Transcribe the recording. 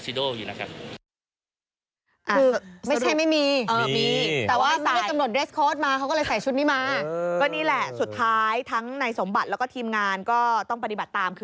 ก็นี้แหละสุดท้ายทั้งในสมบัติแล้วก็ทีมงานก็ต้องปฏิบัติตาม